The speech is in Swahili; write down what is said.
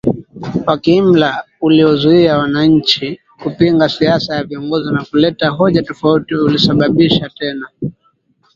wa kiimla uliozuia wananchi kupinga siasa ya viongozi na kuleta hoja tofauti ulisababisha tena